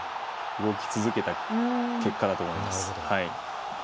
動き続けた結果だと思います。